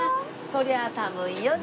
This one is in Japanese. そりゃあ寒いよね。